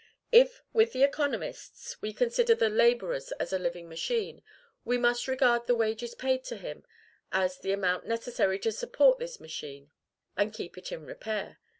If, with the economists, we consider the laborer as a living machine, we must regard the wages paid to him as the amount necessary to support this machine, and keep it in repair.